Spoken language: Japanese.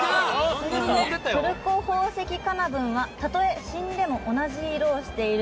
トルコホウセキカナブンは例え死んでも同じ色をしている。